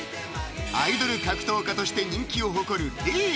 アイドル格闘家として人気を誇るＲＥＮＡ